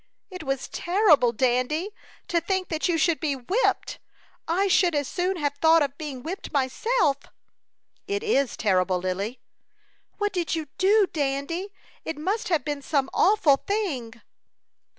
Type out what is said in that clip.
It was terrible, Dandy! To think that you should be whipped! I should as soon have thought of being whipped myself." "It is terrible, Lily." "What did you do, Dandy? It must have been some awful thing."